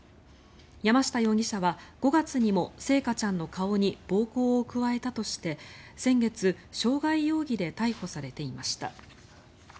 山下容疑者は５月にも星華ちゃんの顔に暴行を加えたとして先月、傷害容疑で逮捕されていました。